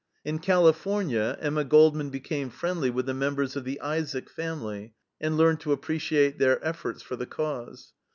In California Emma Goldman became friendly with the members of the Isaak family, and learned to appreciate their efforts for the Cause.